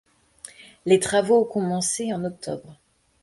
Les travaux ont commencé en octobre.